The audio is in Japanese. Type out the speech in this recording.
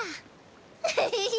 ウフフフ。